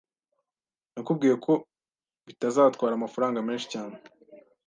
Nakubwiye ko bitazatwara amafaranga menshi cyane.